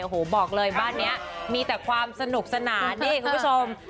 โอ้โหบอกเลยบ้านนี้มีแต่ความสนุกสนานนี่คุณผู้ชม